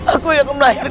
aku yang melayani